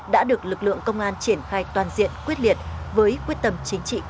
đã được lực lượng công an triển khai toàn diện quyết liệt với quyết tâm chính trị cao